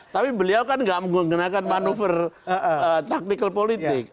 tapi beliau kan gak menggunakan manuver taktikal politik